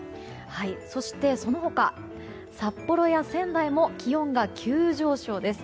そしてその他、札幌や仙台も気温が急上昇です。